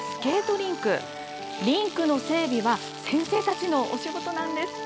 リンクの整備は先生たちのお仕事なんです。